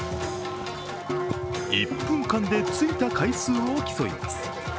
１分間でついた回数を競います。